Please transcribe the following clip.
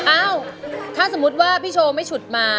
อ้าวถ้าสมมุติว่าพี่โชว์ไม่ฉุดมา